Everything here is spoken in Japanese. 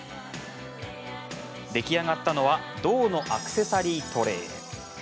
出来上がったのは銅のアクセサリートレー。